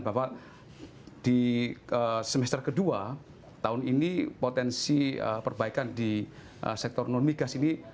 bahwa di semester kedua tahun ini potensi perbaikan di asek torunong sudah sini lebih baik daripada tahun lalu memang